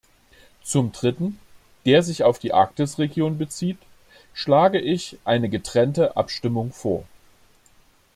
Zum dritten, der sich auf die Arktisregion bezieht, schlage ich eine getrennte Abstimmung vor.